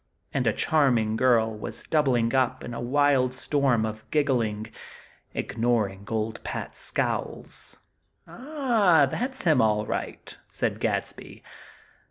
and a charming girl was doubling up in a wild storm of giggling, ignoring old Pat's scowls. "Ah! That's him, all right," said Gadsby.